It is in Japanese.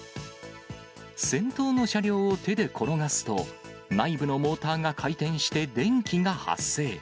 先頭の車両を手で転がすと、内部のモーターが回転して電気が発生。